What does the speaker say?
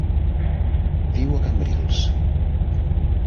Viu a Cambrils.